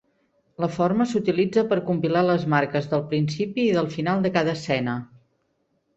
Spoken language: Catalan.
La forma s'utilitza per compilar les marques del principi i del final de cada escena.